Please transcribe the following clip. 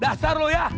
dasar lu ya